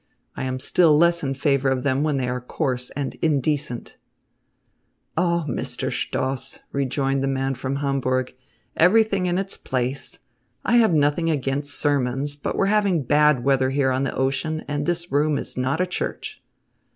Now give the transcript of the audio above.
I am still less in favour of them when they are coarse and indecent." "Oh, Mr. Stoss," rejoined the man from Hamburg, "everything in its place. I have nothing against sermons, but we're having bad weather here on the ocean and this room is not a church."